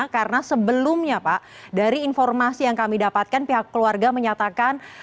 karena sebelumnya pak dari informasi yang kami dapatkan pihak keluarga menyatakan